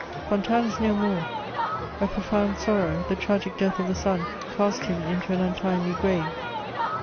Fontanes is no more; a profound sorrow, the tragic death of a son, cast him into an untimely grave.